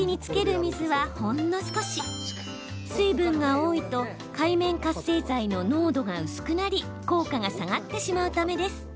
水分が多いと界面活性剤の濃度が薄くなり効果が下がってしまうためです。